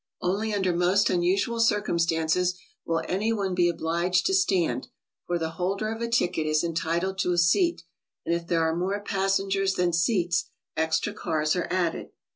Only under most unusual circums tances will anyone be obliged to stand, for, the holder of a ticket is entitled to a seat, and if there are more passengers than seats extra cars are added.